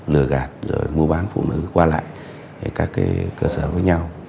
lừa gạt rồi mua bán phụ nữ qua lại các cơ sở với nhau